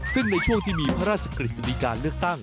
ซึ่งในช่วงที่มีพระราชกฤษฎีการเลือกตั้ง